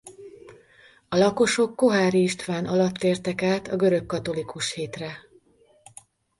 A lakosok Koháry István alatt tértek át a görög katholikus hitre.